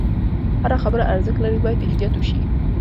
هره خبره ارزښت لري، باید احتیاط وشي.